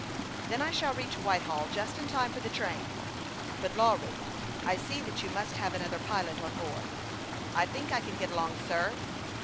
''" Then I shall reach Whitehall just in time for the train. But, Lawry, I see that you must have another pilot on board." " I think I can get along, sir."